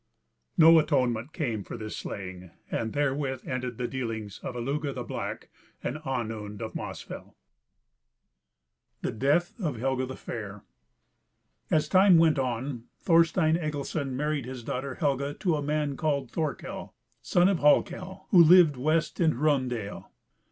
No atonement came for this slaying, and therewith ended the dealings of Illugi the Black and Onund of Mossfell. CHAPTER XVIII. The Death of Helga the Fair. AS time went on, Thorstein Egilson married his daughter Helga to a man called Thorkel, son of Hallkel, who lived west in Hraundale.